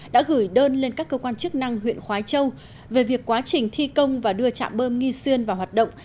đã gửi đơn lên các cơ quan chức năng huyện khói châu về việc quá trình thi công và đưa trạm bơm nghi xuyên vào hoạt động